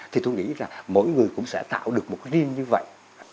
thì tôi nghĩ là mỗi người cũng sẽ tạo được một cái riêng như vậy